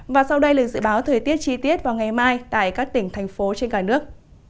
và sau đây là dự báo thời tiết chi tiết vào ngày mai tại các tỉnh thành phố trên cả nước